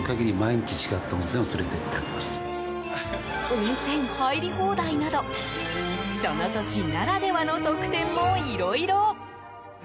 温泉入り放題などその土地ならではの特典もいろいろ！